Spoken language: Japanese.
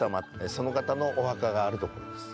その方のお墓があるところです。